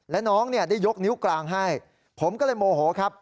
และน้องเนี่ยได้ยกนิ้วกลางให้ผมก็เลยโมโหครับ